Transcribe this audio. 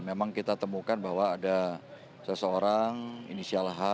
memang kita temukan bahwa ada seseorang inisial h